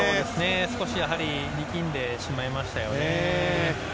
少し力んでしまいましたよね。